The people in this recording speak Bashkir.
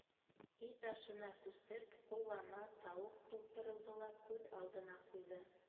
Ит ашына күсеп ҡуллама, тауыҡ тултырыуҙы ла күҙ алдына ҡуйҙы.